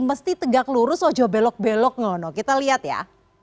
mesti tegak lurus ojo belok belok ngono kita lihat ya